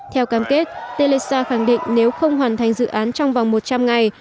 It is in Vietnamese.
theo cam kết telecsa khẳng định nếu không hoàn thành dự án trong vòng một trăm linh ngày